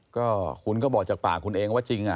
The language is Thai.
ก็คุณก็บอกจากปากคุณเองว่าจริง